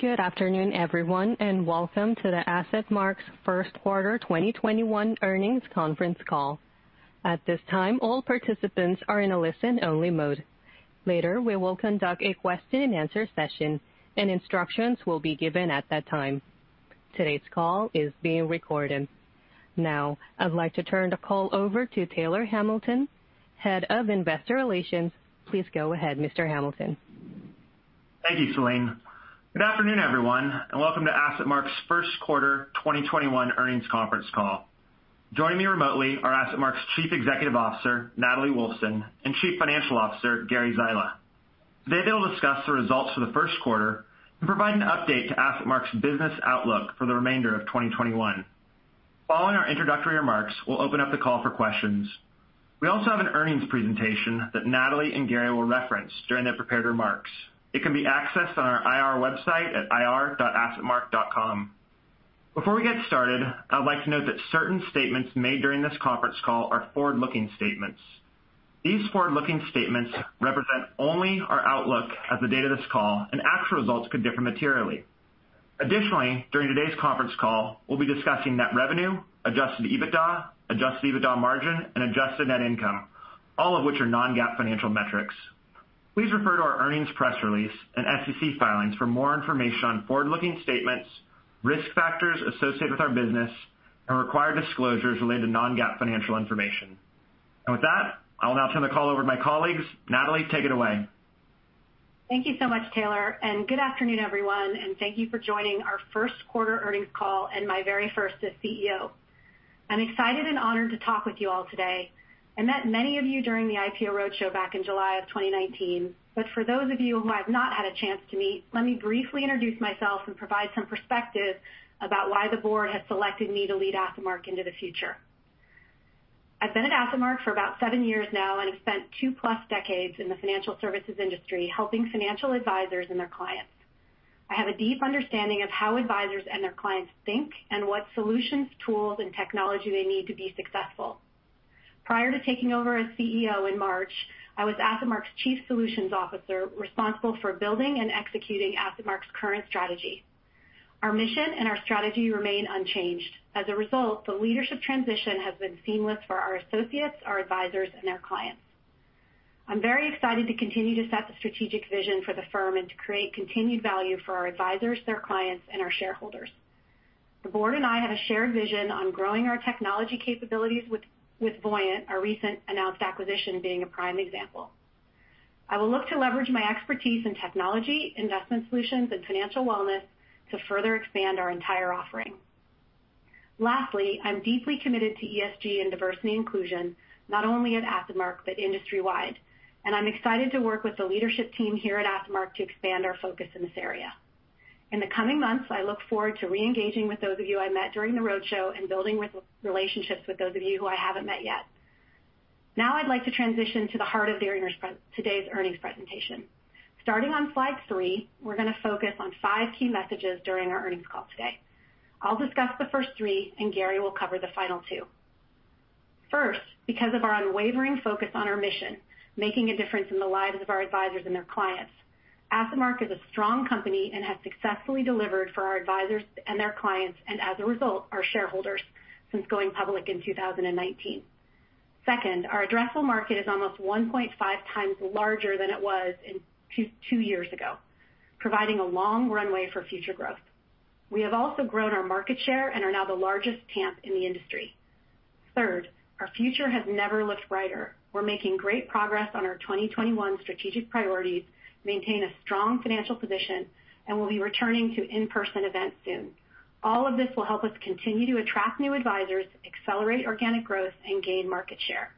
Good afternoon, everyone, welcome to the AssetMark's Q1 2021 Earnings Conference call. At this time, all participants are in a listen-only mode. Later, we will conduct a question-and-answer session, and instructions will be given at that time. Today's call is being recorded. Now, I'd like to turn the call over to Taylor Hamilton, Head of Investor Relations. Please go ahead, Mr. Hamilton. Thank you, Celine. Good afternoon, everyone, and welcome to AssetMark's Q1 2021 earnings conference call. Joining me remotely are AssetMark's Chief Executive Officer, Natalie Wolfsen, and Chief Financial Officer, Gary Zyla. Today, they'll discuss the results for the Q1 and provide an update to AssetMark's business outlook for the remainder of 2021. Following our introductory remarks, we'll open up the call for questions. We also have an earnings presentation that Natalie and Gary will reference during their prepared remarks. It can be accessed on our IR website at ir.assetmark.com. Before we get started, I would like to note that certain statements made during this conference call are forward-looking statements. These forward-looking statements represent only our outlook as of the date of this call, and actual results could differ materially. Additionally, during today's conference call, we'll be discussing net revenue, adjusted EBITDA, adjusted EBITDA margin, and adjusted net income, all of which are non-GAAP financial metrics. Please refer to our earnings press release and SEC filings for more information on forward-looking statements, risk factors associated with our business, and required disclosures related to non-GAAP financial information. With that, I'll now turn the call over to my colleagues. Natalie, take it away. Thank you so much, Taylor, good afternoon, everyone, and thank you for joining our Q1 earnings call and my very first as CEO. I'm excited and honored to talk with you all today. I met many of you during the IPO roadshow back in July of 2019, for those of you who I've not had a chance to meet, let me briefly introduce myself and provide some perspective about why the board has selected me to lead AssetMark into the future. I've been at AssetMark for about seven years now and have spent two-plus decades in the financial services industry, helping financial advisors and their clients. I have a deep understanding of how advisors and their clients think and what solutions, tools, and technology they need to be successful. Prior to taking over as CEO in March, I was AssetMark's Chief Solutions Officer responsible for building and executing AssetMark's current strategy. Our mission and our strategy remain unchanged. As a result, the leadership transition has been seamless for our associates, our advisors, and our clients. I'm very excited to continue to set the strategic vision for the firm and to create continued value for our advisors, their clients, and our shareholders. The board and I have a shared vision on growing our technology capabilities with Voyant, our recent announced acquisition being a prime example. I will look to leverage my expertise in technology, investment solutions, and financial wellness to further expand our entire offering. Lastly, I'm deeply committed to ESG and diversity inclusion, not only at AssetMark but industry-wide, and I'm excited to work with the leadership team here at AssetMark to expand our focus in this area. In the coming months, I look forward to re-engaging with those of you I met during the roadshow and building relationships with those of you who I haven't met yet. Now I'd like to transition to the heart of today's earnings presentation. Starting on slide three, we're going to focus on five key messages during our earnings call today. I'll discuss the first three, and Gary will cover the final two. First, because of our unwavering focus on our mission, making a difference in the lives of our advisors and their clients, AssetMark is a strong company and has successfully delivered for our advisors and their clients and, as a result, our shareholders since going public in 2019. Second, our addressable market is almost 1.5 times larger than it was two years ago, providing a long runway for future growth. We have also grown our market share and are now the largest TAMP in the industry. Our future has never looked brighter. We're making great progress on our 2021 strategic priorities to maintain a strong financial position, and we'll be returning to in-person events soon. All of this will help us continue to attract new advisors, accelerate organic growth, and gain market share.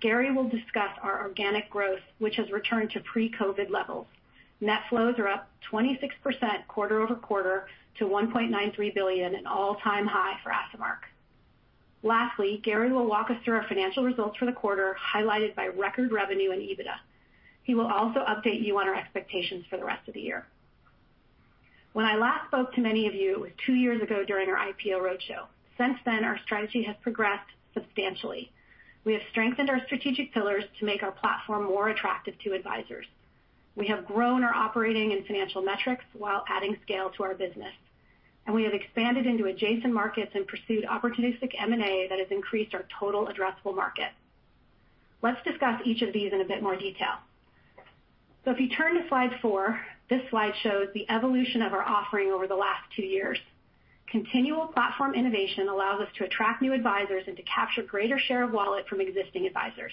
Gary will discuss our organic growth, which has returned to pre-COVID levels. Net flows are up 26% quarter-over-quarter to $1.93 billion, an all-time high for AssetMark. Gary will walk us through our financial results for the quarter, highlighted by record revenue and EBITDA. He will also update you on our expectations for the rest of the year. When I last spoke to many of you, it was two years ago during our IPO roadshow. Our strategy has progressed substantially. We have strengthened our strategic pillars to make our platform more attractive to advisors. We have grown our operating and financial metrics while adding scale to our business, and we have expanded into adjacent markets and pursued opportunistic M&A that has increased our total addressable market. Let's discuss each of these in a bit more detail. If you turn to slide four, this slide shows the evolution of our offering over the last two years. Continual platform innovation allows us to attract new advisors and to capture greater share of wallet from existing advisors.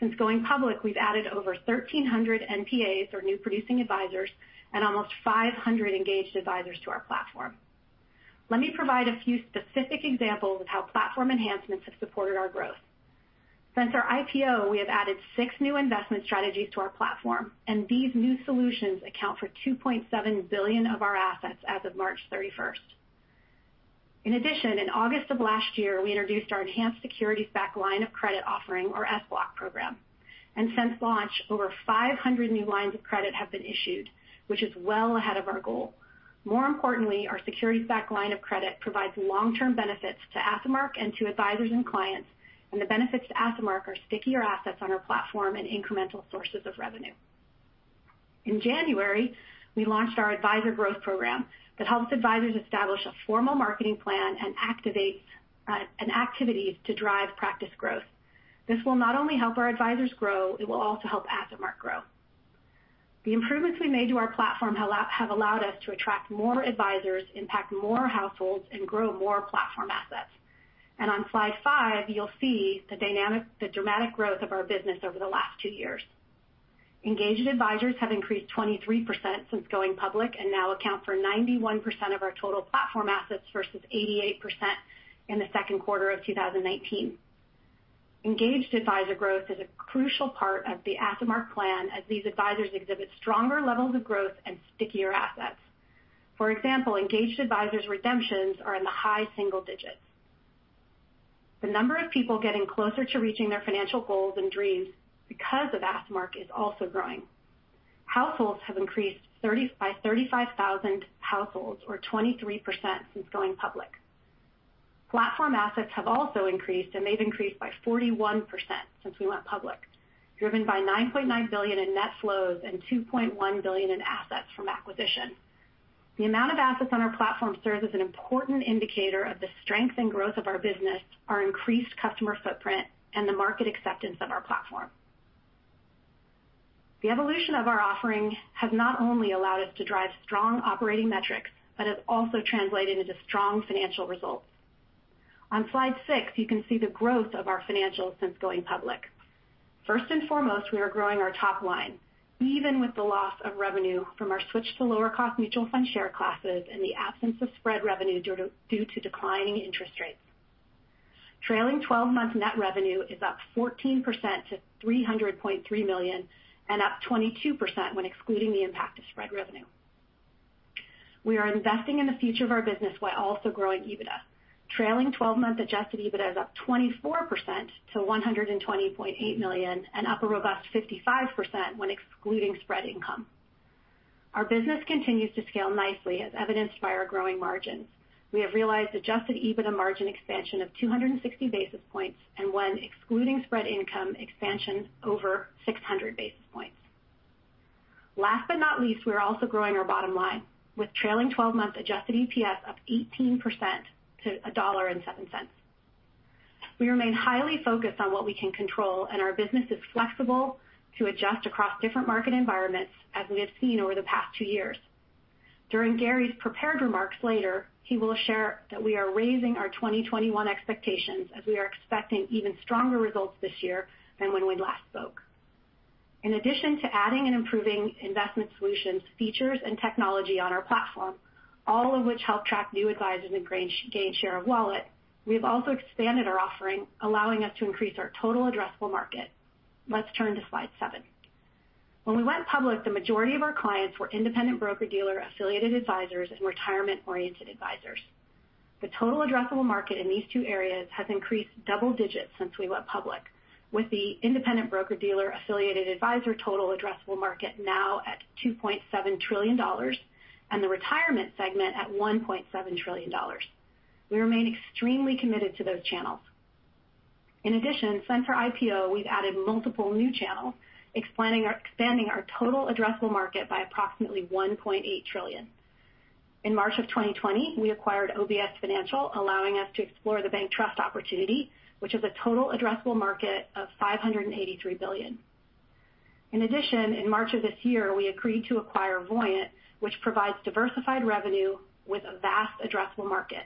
Since going public, we've added over 1,300 NPAs or new producing advisors and almost 500 engaged advisors to our platform. Let me provide a few specific examples of how platform enhancements have supported our growth. Since our IPO, we have added six new investment strategies to our platform, and these new solutions account for $2.7 billion of our assets as of March 31st. In addition, in August of last year, we introduced our enhanced securities-backed line of credit offering, our SBLOC program. Since launch, over 500 new lines of credit have been issued, which is well ahead of our goal. More importantly, our securities-backed line of credit provides long-term benefits to AssetMark and to advisors and clients. The benefits to AssetMark are stickier assets on our platform and incremental sources of revenue. In January, we launched our advisor growth program that helps advisors establish a formal marketing plan and activities to drive practice growth. This will not only help our advisors grow, it will also help AssetMark grow. The improvements we made to our platform have allowed us to attract more advisors, impact more households, and grow more platform assets. On slide five, you'll see the dramatic growth of our business over the last two years. Engaged advisors have increased 23% since going public and now account for 91% of our total platform assets, versus 88% in the Q2 of 2019. Engaged advisor growth is a crucial part of the AssetMark plan as these advisors exhibit stronger levels of growth and stickier assets. For example, engaged advisors' redemptions are in the high single digits. The number of people getting closer to reaching their financial goals and dreams because of AssetMark is also growing. Households have increased by 35,000 households or 23% since going public. Platform assets have also increased, and they've increased by 41% since we went public, driven by $9.9 billion in net flows and $2.1 billion in assets from acquisition. The amount of assets on our platform serves as an important indicator of the strength and growth of our business, our increased customer footprint, and the market acceptance of our platform. The evolution of our offering has not only allowed us to drive strong operating metrics but has also translated into strong financial results. On slide six, you can see the growth of our financials since going public. First and foremost, we are growing our top line, even with the loss of revenue from our switch to lower-cost mutual fund share classes and the absence of spread revenue due to declining interest rates. Trailing 12-month net revenue is up 14% to $300.3 million and up 22% when excluding the impact of spread revenue. We are investing in the future of our business while also growing EBITDA. Trailing 12-month adjusted EBITDA is up 24% to $120.8 million and up a robust 55% when excluding spread income. Our business continues to scale nicely, as evidenced by our growing margins. We have realized adjusted EBITDA margin expansion of 260 basis points and when excluding spread income, expansion over 600 basis points. Last but not least, we are also growing our bottom line with trailing 12-month adjusted EPS up 18% to $1.07. We remain highly focused on what we can control, and our business is flexible to adjust across different market environments as we have seen over the past two years. During Gary's prepared remarks later, he will share that we are raising our 2021 expectations as we are expecting even stronger results this year than when we last spoke. In addition to adding and improving investment solutions, features, and technology on our platform, all of which help track new advisors and gain share of wallet, we've also expanded our offering, allowing us to increase our total addressable market. Let's turn to slide seven. When we went public, the majority of our clients were independent broker-dealer affiliated advisors and retirement-oriented advisors. The total addressable market in these two areas has increased double digits since we went public with the independent broker-dealer affiliated advisor total addressable market now at $2.7 trillion and the retirement segment at $1.7 trillion. We remain extremely committed to those channels. In addition, since our IPO, we've added multiple new channels, expanding our total addressable market by approximately $1.8 trillion. In March of 2020, we acquired OBS Financial, allowing us to explore the bank trust opportunity, which is a total addressable market of $583 billion. In addition, in March of this year, we agreed to acquire Voyant, which provides diversified revenue with a vast addressable market.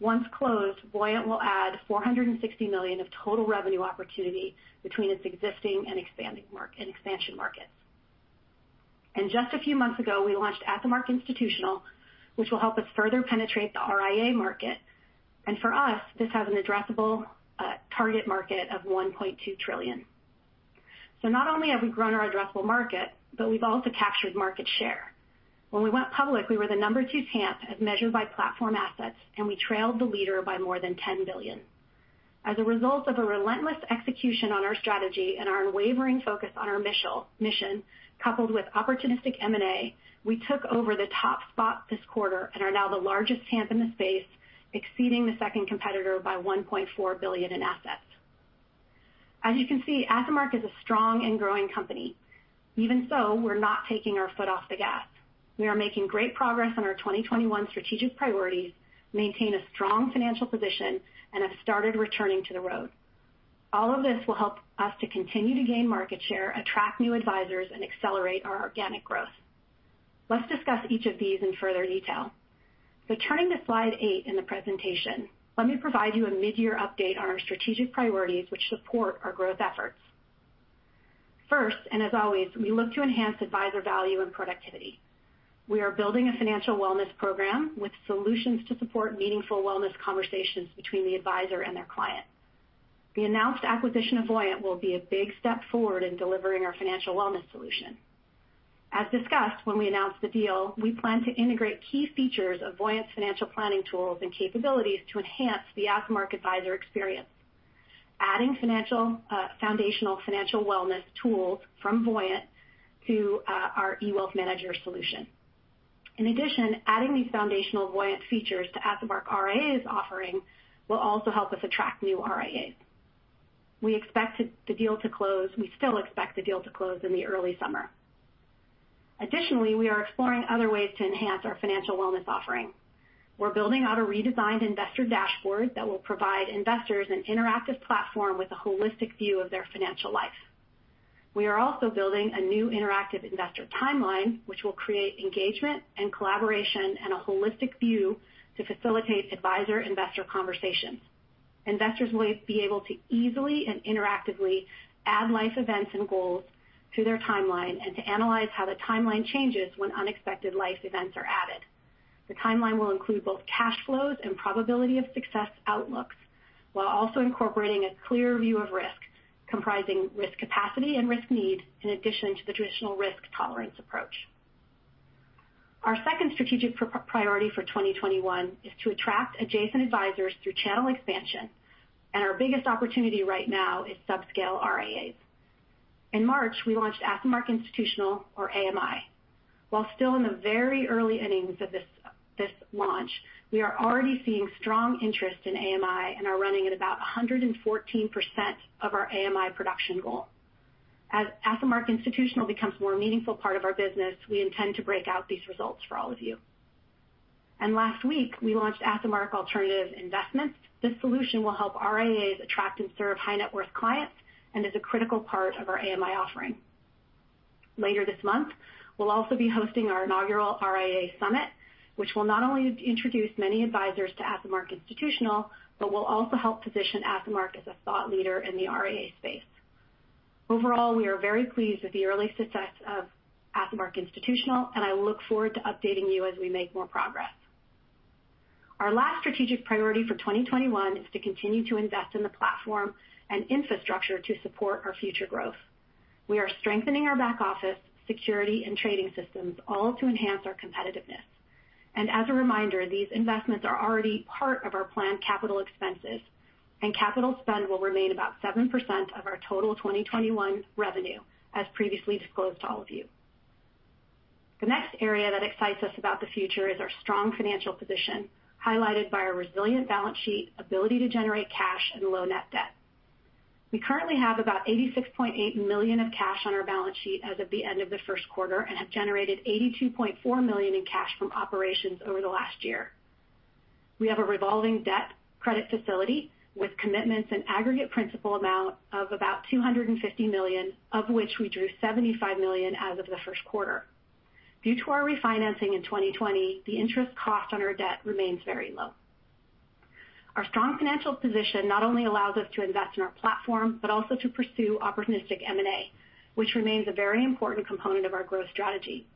Once closed, Voyant will add $460 million of total revenue opportunity between its existing and expansion markets. Just a few months ago, we launched AssetMark Institutional, which will help us further penetrate the RIA market. For us, this has an addressable target market of $1.2 trillion. Not only have we grown our addressable market, but we've also captured market share. When we went public, we were the number two TAMP as measured by platform assets, and we trailed the leader by more than $10 billion. As a result of a relentless execution on our strategy and our unwavering focus on our mission, coupled with opportunistic M&A, we took over the top spot this quarter and are now the largest TAMP in the space, exceeding the second competitor by $1.4 billion in assets. As you can see, AssetMark is a strong and growing company. Even so, we're not taking our foot off the gas. We are making great progress on our 2021 strategic priorities, maintain a strong financial position, and have started returning to the road. All of this will help us to continue to gain market share, attract new advisors, and accelerate our organic growth. Let's discuss each of these in further detail. Turning to slide eight in the presentation, let me provide you a mid-year update on our strategic priorities which support our growth efforts. First, and as always, we look to enhance advisor value and productivity. We are building a financial wellness program with solutions to support meaningful wellness conversations between the advisor and their client. The announced acquisition of Voyant will be a big step forward in delivering our financial wellness solution. As discussed when we announced the deal, we plan to integrate key features of Voyant's financial planning tools and capabilities to enhance the AssetMark advisor experience. Adding foundational financial wellness tools from Voyant to our eWealthManager solution. In addition, adding these foundational Voyant features to AssetMark RIA's offering will also help us attract new RIAs. We still expect the deal to close in the early summer. Additionally, we are exploring other ways to enhance our financial wellness offering. We're building out a redesigned investor dashboard that will provide investors an interactive platform with a holistic view of their financial life. We are also building a new interactive investor timeline, which will create engagement and collaboration and a holistic view to facilitate advisor-investor conversations. Investors will be able to easily and interactively add life events and goals to their timeline and to analyze how the timeline changes when unexpected life events are added. The timeline will include both cash flows and probability of success outlooks, while also incorporating a clear view of risk, comprising risk capacity and risk need, in addition to the traditional risk tolerance approach. Our second strategic priority for 2021 is to attract adjacent advisors through channel expansion, and our biggest opportunity right now is subscale RIAs. In March, we launched AssetMark Institutional, or AMI. While still in the very early innings of this launch, we are already seeing strong interest in AMI and are running at about 114% of our AMI production goal. As AssetMark Institutional becomes a more meaningful part of our business, we intend to break out these results for all of you. Last week, we launched AssetMark Alternative Investments. This solution will help RIAs attract and serve high-net-worth clients and is a critical part of our AMI offering. Later this month, we'll also be hosting our inaugural RIA Summit, which will not only introduce many advisors to AssetMark Institutional, but will also help position AssetMark as a thought leader in the RIA space. Overall, we are very pleased with the early success of AssetMark Institutional, and I look forward to updating you as we make more progress. Our last strategic priority for 2021 is to continue to invest in the platform and infrastructure to support our future growth. We are strengthening our back office, security, and trading systems, all to enhance our competitiveness. As a reminder, these investments are already part of our planned capital expenses, and capital spend will remain about 7% of our total 2021 revenue, as previously disclosed to all of you. The next area that excites us about the future is our strong financial position, highlighted by our resilient balance sheet, ability to generate cash, and low net debt. We currently have about $86.8 million of cash on our balance sheet as of the end of the Q1 and have generated $82.4 million in cash from operations over the last year. We have a revolving debt credit facility with commitments in aggregate principal amount of about $250 million, of which we drew $75 million as of Q1 2021. Due to our refinancing in 2020, the interest cost on our debt remains very low. Our strong financial position not only allows us to invest in our platform, but also to pursue opportunistic M&A, which remains a very important component of our growth strategy.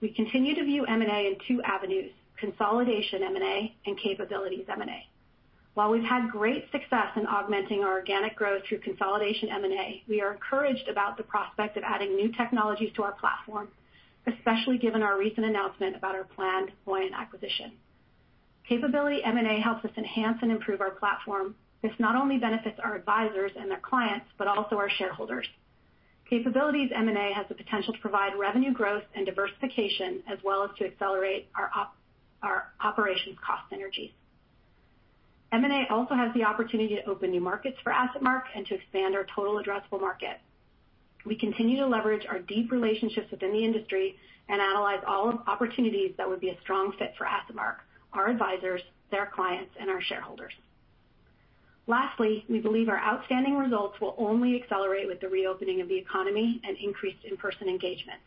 We continue to view M&A in two avenues, consolidation M&A and capabilities M&A. While we've had great success in augmenting our organic growth through consolidation M&A, we are encouraged about the prospect of adding new technologies to our platform, especially given our recent announcement about our planned Voyant acquisition. Capability M&A helps us enhance and improve our platform. This not only benefits our advisors and their clients, but also our shareholders. Capabilities M&A has the potential to provide revenue growth and diversification, as well as to accelerate our operations cost synergies. M&A also has the opportunity to open new markets for AssetMark and to expand our total addressable market. We continue to leverage our deep relationships within the industry and analyze all opportunities that would be a strong fit for AssetMark, our advisors, their clients, and our shareholders. Lastly, we believe our outstanding results will only accelerate with the reopening of the economy and increased in-person engagement.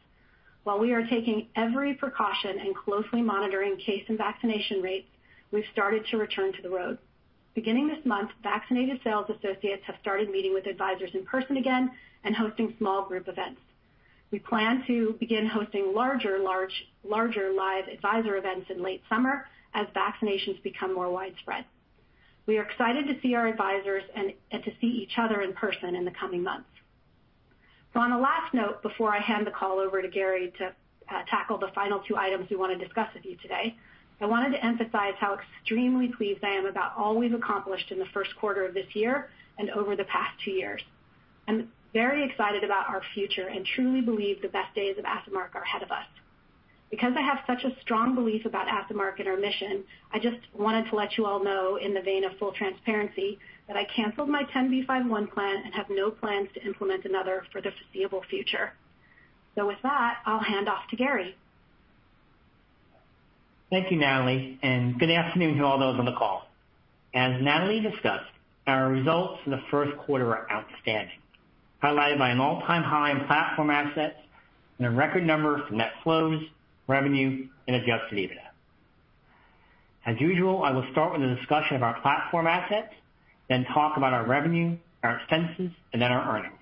While we are taking every precaution and closely monitoring case and vaccination rates, we've started to return to the road. Beginning this month, vaccinated sales associates have started meeting with advisors in person again and hosting small group events. We plan to begin hosting larger live advisor events in late summer as vaccinations become more widespread. We are excited to see our advisors and to see each other in person in the coming months. On a last note, before I hand the call over to Gary to tackle the final two items we want to discuss with you today, I wanted to emphasize how extremely pleased I am about all we've accomplished in the Q1 of this year and over the past two years. I'm very excited about our future and truly believe the best days of AssetMark are ahead of us. Because I have such a strong belief about AssetMark and our mission, I just wanted to let you all know, in the vein of full transparency, that I canceled my 10b5-1 plan and have no plans to implement another for the foreseeable future. With that, I'll hand off to Gary. Thank you, Natalie, and good afternoon to all those on the call. As Natalie discussed, our results for the Q1 are outstanding, highlighted by an all-time high in platform assets and a record number of net flows, revenue, and adjusted EBITDA. As usual, I will start with a discussion of our platform assets, then talk about our revenue, our expenses, and then our earnings.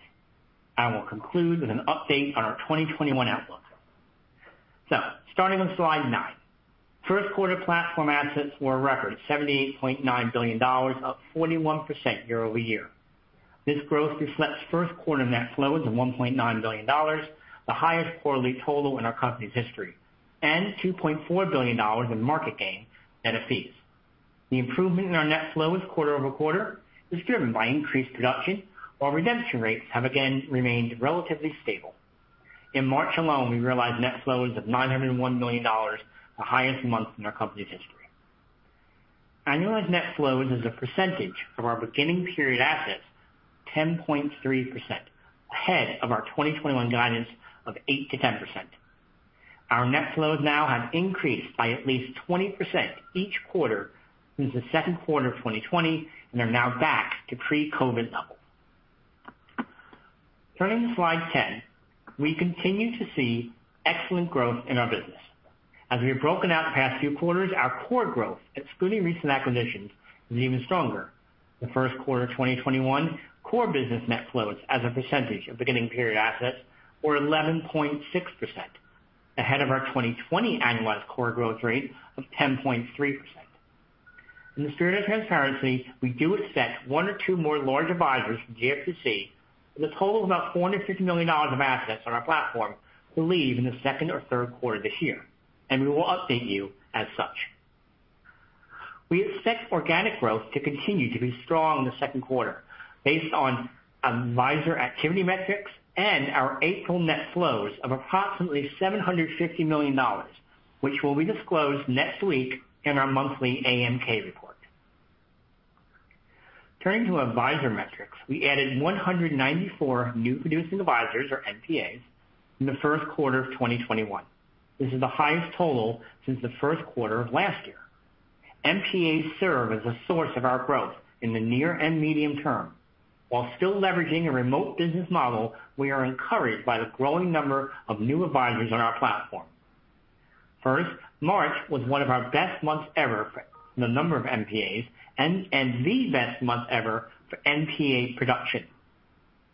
I will conclude with an update on our 2021 outlook. Starting on slide nine. First quarter platform assets were a record $78.9 billion, up 41% year-over-year. This growth reflects Q1 net flows of $1.9 billion, the highest quarterly total in our company's history, and $2.4 billion in market gain. Data fees. The improvement in our net flow is quarter-over-quarter is driven by increased production, while redemption rates have again remained relatively stable. In March alone, we realized net flows of $901 million, the highest month in our company's history. Annualized net flows as a percentage of our beginning period assets, 10.3%, ahead of our 2021 guidance of 8%-10%. Our net flows now have increased by at least 20% each quarter since the Q2 of 2020, and are now back to pre-COVID levels. Turning to slide 10. We continue to see excellent growth in our business. As we have broken out the past few quarters, our core growth, excluding recent acquisitions, is even stronger. The Q1 2021 core business net flows as a percentage of beginning period assets were 11.6%, ahead of our 2020 annualized core growth rate of 10.3%. In the spirit of transparency, we do expect one or two more large advisors from GFPC with a total of about $450 million of assets on our platform to leave in the second or Q3 this year, and we will update you as such. We expect organic growth to continue to be strong in the Q2 based on advisor activity metrics and our April net flows of approximately $750 million, which will be disclosed next week in our monthly AMK report. Turning to advisor metrics. We added 194 new producing advisors, or NPAs, in the Q1 of 2021. This is the highest total since the Q1 of last year. NPAs serve as a source of our growth in the near and medium term. While still leveraging a remote business model, we are encouraged by the growing number of new advisors on our platform. First, March was one of our best months ever for the number of NPAs and the best month ever for NPA production.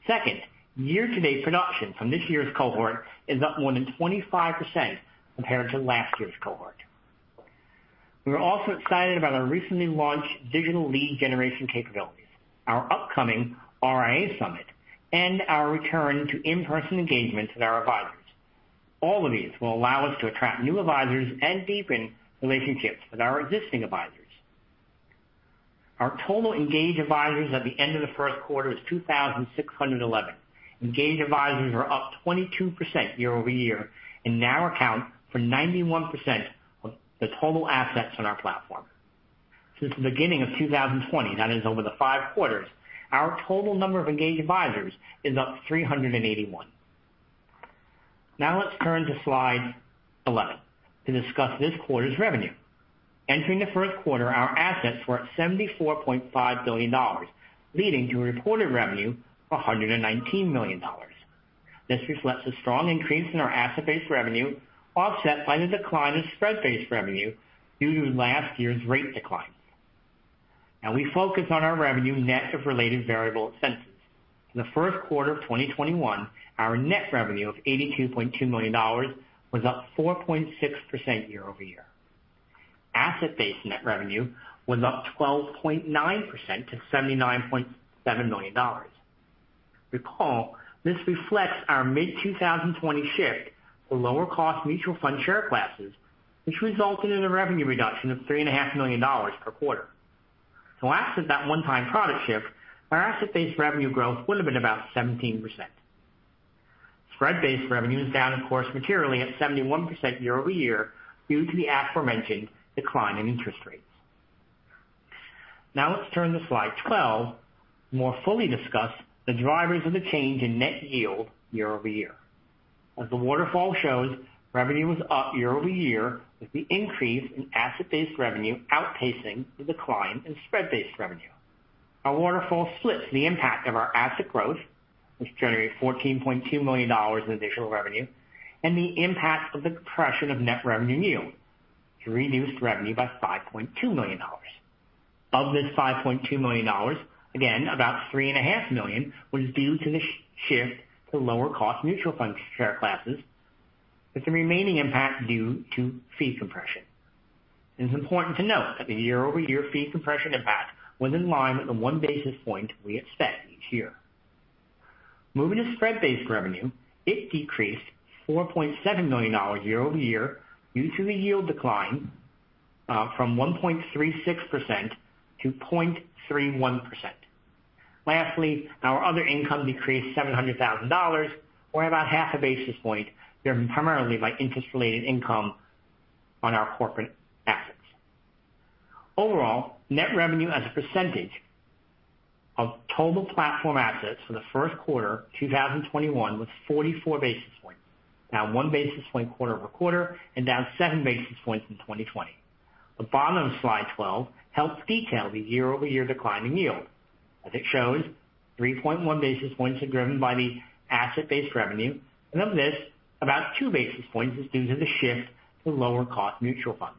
Second, year-to-date production from this year's cohort is up more than 25% compared to last year's cohort. We are also excited about our recently launched digital lead generation capabilities, our upcoming RIA Summit, and our return to in-person engagements with our advisors. All of these will allow us to attract new advisors and deepen relationships with our existing advisors. Our total engaged advisors at the end of the Q1 was 2,611. Engaged advisors are up 22% year-over-year and now account for 91% of the total assets on our platform. Since the beginning of 2020, that is over the five quarters, our total number of engaged advisors is up 381. Now let's turn to slide 11 to discuss this quarter's revenue. Entering the Q1, our assets were at $74.5 billion, leading to a reported revenue of $119 million. This reflects a strong increase in our asset-based revenue, offset by the decline in spread-based revenue due to last year's rate declines. We focus on our revenue net of related variable expenses. In the Q1 of 2021, our net revenue of $82.2 million was up 4.6% year-over-year. Asset-based net revenue was up 12.9% to $79.7 million. Recall, this reflects our mid-2020 shift to lower cost mutual fund share classes, which resulted in a revenue reduction of $3.5 million per quarter. Absent that one-time product shift, our asset-based revenue growth would have been about 17%. Spread-based revenue is down, of course, materially at 71% year-over-year due to the aforementioned decline in interest rates. Let's turn to slide 12, more fully discuss the drivers of the change in net yield year-over-year. As the waterfall shows, revenue was up year-over-year with the increase in asset-based revenue outpacing the decline in spread-based revenue. Our waterfall splits the impact of our asset growth, which generated $14.2 million in additional revenue, and the impact of the compression of net revenue yield to reduce revenue by $5.2 million. Of this $5.2 million, again, about $3.5 million was due to the shift to lower cost mutual fund share classes, with the remaining impact due to fee compression. It's important to note that the year-over-year fee compression impact was in line with the one basis point we expect each year. Moving to spread-based revenue. It decreased $4.7 million year-over-year due to the yield decline from 1.36% to 0.31%. Lastly, our other income decreased $700,000, or about half a basis point, driven primarily by interest related income on our corporate assets. Overall, net revenue as a percentage of total platform assets for the Q1 2021 was 44 basis points, down one basis point quarter-over-quarter and down seven basis points in 2020. The bottom of slide 12 helps detail the year-over-year decline in yield. As it shows, 3.1 basis points are driven by the asset-based revenue, and of this, about two basis points is due to the shift to lower cost mutual funds.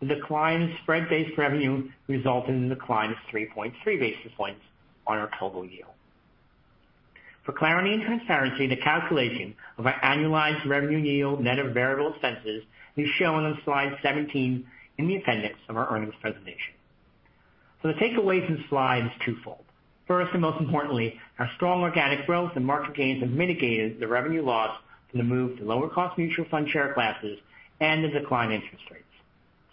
The decline in spread-based revenue resulted in a decline of 3.3 basis points on our total yield. For clarity and transparency in the calculation of our annualized revenue yield net of variable expenses is shown on slide 17 in the appendix of our earnings presentation. The takeaway from this slide is twofold. First, and most importantly, our strong organic growth and market gains have mitigated the revenue loss from the move to lower cost mutual fund share classes and the decline in interest rates.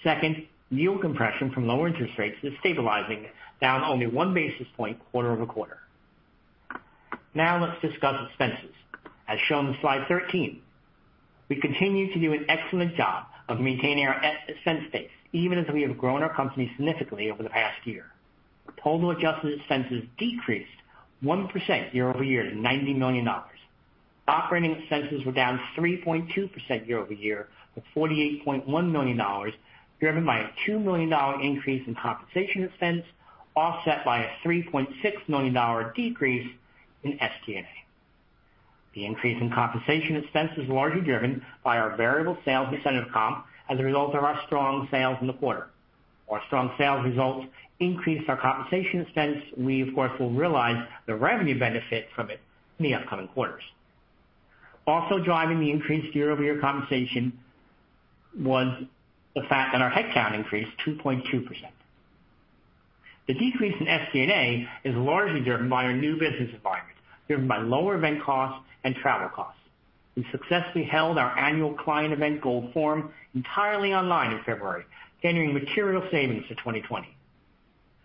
Second, yield compression from lower interest rates is stabilizing, down only one basis point quarter-over-quarter. Now let's discuss expenses, as shown in slide 13. We continue to do an excellent job of maintaining our expense base, even as we have grown our company significantly over the past year. Total adjusted expenses decreased 1% year-over-year to $90 million. Operating expenses were down 3.2% year-over-year to $48.1 million, driven by a $2 million increase in compensation expense, offset by a $3.6 million decrease in SG&A. The increase in compensation expense is largely driven by our variable sales incentive comp as a result of our strong sales in the quarter. Our strong sales results increased our compensation expense. We, of course, will realize the revenue benefit from it in the upcoming quarters. Also driving the increased year-over-year compensation was the fact that our headcount increased 2.2%. The decrease in SG&A is largely driven by our new business environment, driven by lower event costs and travel costs. We successfully held our annual client event, Gold Forum, entirely online in February, generating material savings to 2020.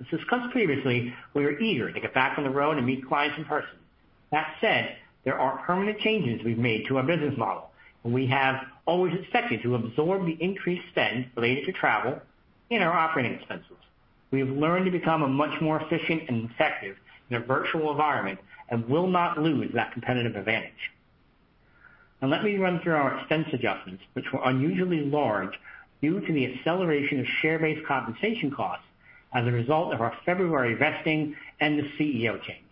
As discussed previously, we are eager to get back on the road and meet clients in person. That said, there are permanent changes we've made to our business model, and we have always expected to absorb the increased spend related to travel in our operating expenses. We have learned to become much more efficient and effective in a virtual environment and will not lose that competitive advantage. Let me run through our expense adjustments, which were unusually large due to the acceleration of share-based compensation costs as a result of our February vesting and the CEO change.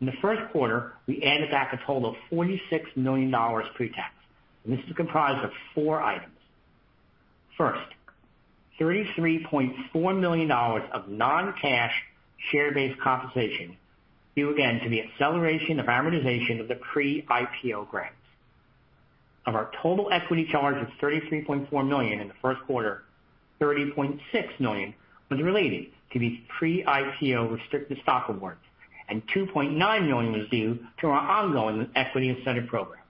In the Q1, we added back a total of $46 million pre-tax, this is comprised of four items. First, $33.4 million of non-cash share-based compensation, due again to the acceleration of amortization of the pre-IPO grants. Of our total equity charge of $33.4 million in the Q1, $30.6 million was related to these pre-IPO restricted stock awards, and $2.9 million was due to our ongoing equity incentive program.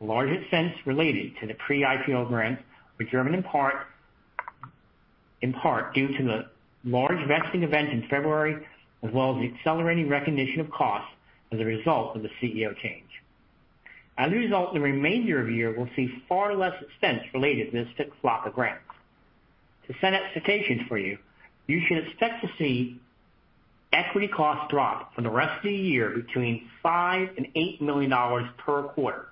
The largest expense related to the pre-IPO grants were driven in part due to the large vesting event in February, as well as the accelerating recognition of costs as a result of the CEO change. As a result, the remainder of the year will see far less expense related to restricted stock or grants. To set expectations for you should expect to see equity costs drop for the rest of the year between $5 million-$8 million per quarter.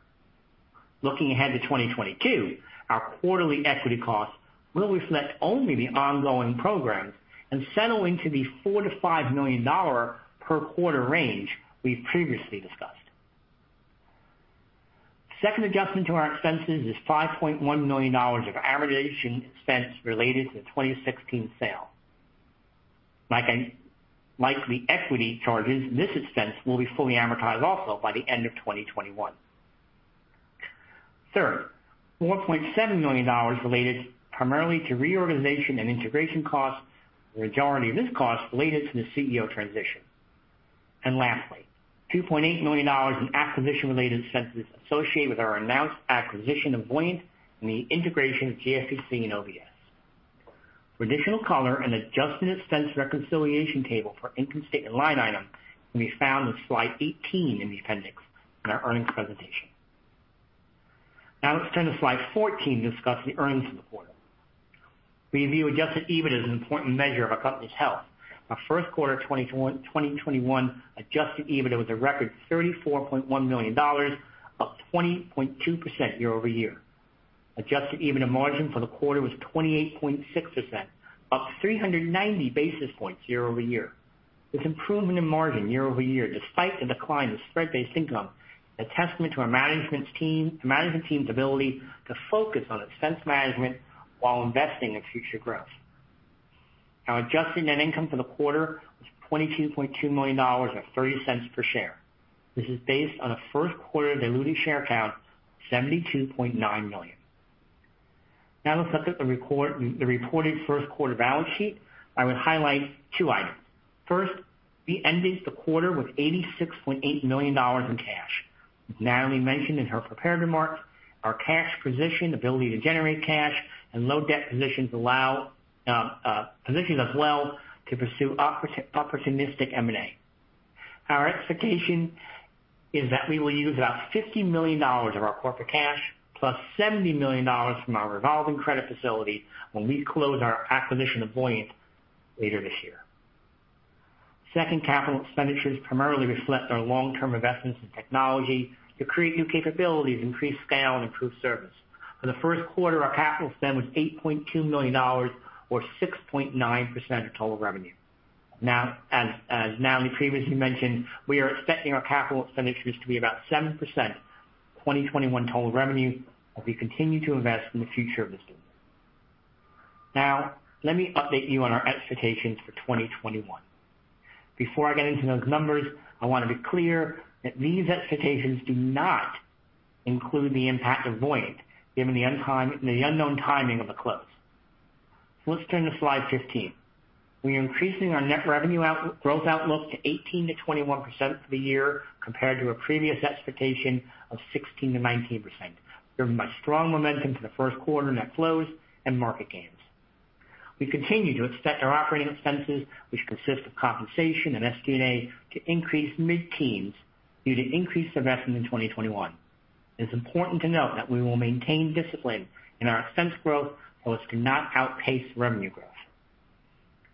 Looking ahead to 2022, our quarterly equity costs will reflect only the ongoing programs and settle into the $4 million-$5 million per quarter range we've previously discussed. Second adjustment to our expenses is $5.1 million of amortization expense related to the 2016 sale. Like the equity charges, this expense will be fully amortized also by the end of 2021. Third, $4.7 million related primarily to reorganization and integration costs, the majority of this cost related to the CEO transition. Lastly, $2.8 million in acquisition-related expenses associated with our announced acquisition of Voyant and the integration of GSCC and OBS. For additional color, an adjusted expense reconciliation table for income statement line items can be found on slide 18 in the appendix in our earnings presentation. Now let's turn to slide 14 to discuss the earnings in the quarter. We view adjusted EBIT as an important measure of a company's health. Our Q1 2021 adjusted EBIT was a record $34.1 million, up 20.2% year-over-year. Adjusted EBITDA margin for the quarter was 28.6%, up 390 basis points year-over-year. This improvement in margin year-over-year, despite the decline of spread-based income, is a testament to our management team's ability to focus on expense management while investing in future growth. Our adjusted net income for the quarter was $22.2 million, or $0.30 per share. This is based on a Q1 dilutive share count of 72.9 million. Let's look at the reported Q1 balance sheet. I would highlight two items. First, we ended the quarter with $86.8 million in cash. As Natalie mentioned in her prepared remarks, our cash position, ability to generate cash, and low debt positions allow us well to pursue opportunistic M&A. Our expectation is that we will use about $50 million of our corporate cash plus $70 million from our revolving credit facility when we close our acquisition of Voyant later this year. Second, capital expenditures primarily reflect our long-term investments in technology to create new capabilities, increase scale, and improve service. For the Q1, our capital spend was $8.2 million, or 6.9% of total revenue. As Natalie previously mentioned, we are expecting our capital expenditures to be about 7% of 2021 total revenue as we continue to invest in the future of the business. Now, let me update you on our expectations for 2021. Before I get into those numbers, I want to be clear that these expectations do not include the impact of Voyant, given the unknown timing of the close. Let's turn to slide 15. We are increasing our net revenue growth outlook to 18% to 21% for the year, compared to a previous expectation of 16% to 19%, driven by strong momentum to the Q1 net flows and market gains. We continue to expect our operating expenses, which consist of compensation and SG&A, to increase mid-teens due to increased investment in 2021. It's important to note that we will maintain discipline in our expense growth so as to not outpace revenue growth.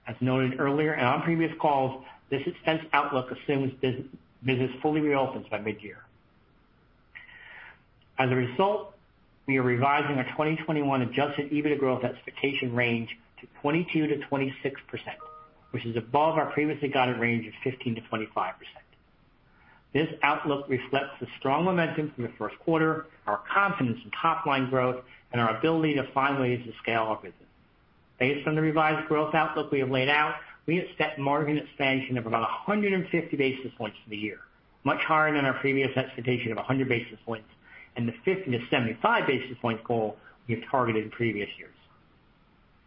As noted earlier and on previous calls, this expense outlook assumes business fully reopens by mid-year. As a result, we are revising our 2021 adjusted EBITDA growth expectation range to 22%-26%, which is above our previously guided range of 15%-25%. This outlook reflects the strong momentum from the Q1, our confidence in top line growth, and our ability to find ways to scale our business. Based on the revised growth outlook we have laid out, we expect margin expansion of about 150 basis points for the year, much higher than our previous expectation of 100 basis points and the 50-75 basis point goal we have targeted in previous years.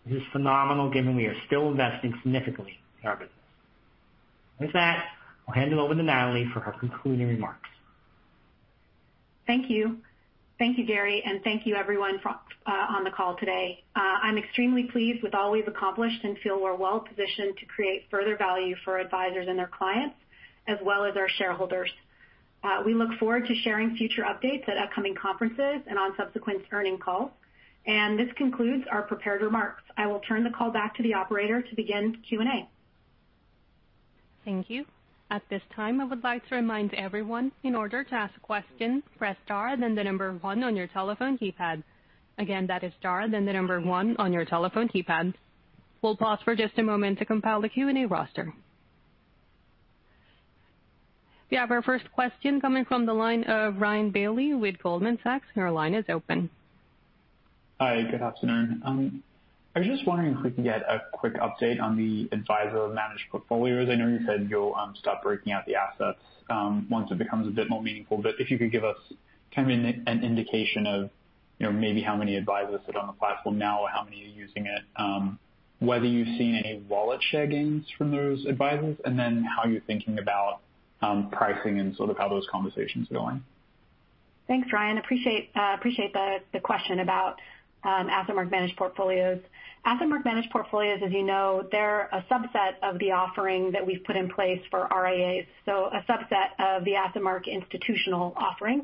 This is phenomenal given we are still investing significantly in our business. With that, I'll hand it over to Natalie for her concluding remarks. Thank you. Thank you, Gary, and thank you everyone on the call today. I'm extremely pleased with all we've accomplished and feel we're well positioned to create further value for advisors and their clients, as well as our shareholders. We look forward to sharing future updates at upcoming conferences and on subsequent earnings calls. This concludes our prepared remarks. I will turn the call back to the operator to begin Q&A. Thank you. At this time, I would like to remind everyone, in order to ask a question, press star then the number one on your telephone keypad. Again, that is star then the number one on your telephone keypad. We will pause for just a moment to compile the Q&A roster. We have our first question coming from the line of Ryan Bailey with Goldman Sachs. Your line is open. Hi, good afternoon. I was just wondering if we could get a quick update on the advisor-managed portfolios. I know you said you'll stop breaking out the assets once it becomes a bit more meaningful, but if you could give us kind of an indication of maybe how many advisors sit on the platform now, or how many are using it, whether you've seen any wallet share gains from those advisors, and then how you're thinking about pricing and sort of how those conversations are going. Thanks, Ryan. Appreciate the question about AssetMark managed portfolios. AssetMark managed portfolios, as you know, they're a subset of the offering that we've put in place for RIAs, so a subset of the AssetMark Institutional offering.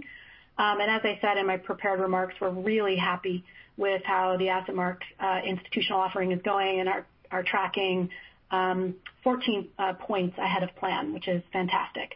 As I said in my prepared remarks, we're really happy with how the AssetMark Institutional offering is going, are tracking 14 points ahead of plan, which is fantastic.